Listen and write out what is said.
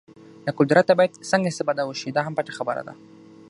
له قدرته باید څنګه استفاده وشي دا هم پټه خبره ده.